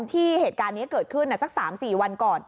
เหตุการณ์นี้เกิดขึ้นสัก๓๔วันก่อน